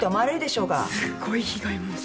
すごい被害妄想。